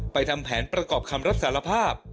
ทำแผนประกอบคำรับสารภาพ